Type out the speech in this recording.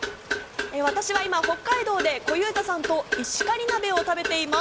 私は今北海道で小遊三さんと石狩鍋を食べています。